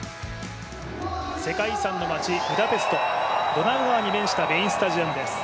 世界遺産の街ブダペストドナウ川に面したメインスタジアムです。